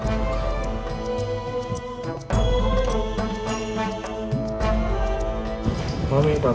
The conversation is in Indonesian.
mohon maaf pak bismillah